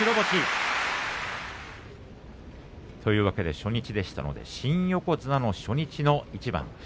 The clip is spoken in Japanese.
初日でしたので新横綱の初日の一番。